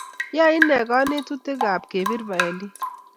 Yae inee kanetutik ab kebir violin